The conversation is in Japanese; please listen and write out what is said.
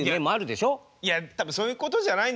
いや多分そういうことじゃないんですよ。